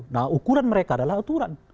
nah ukuran mereka adalah aturan